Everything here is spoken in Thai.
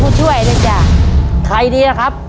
ครอบครัวของแม่ปุ้ยจังหวัดสะแก้วนะครับ